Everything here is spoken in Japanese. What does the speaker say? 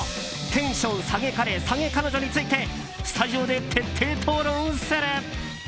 テンション下げ彼・下げ彼女についてスタジオで徹底討論する。